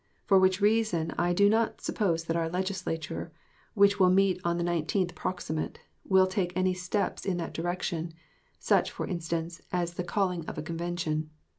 For which reason I do not suppose that our Legislature, which will meet on the 19th prox., will take any steps in that direction such, for instance, as the calling of a convention.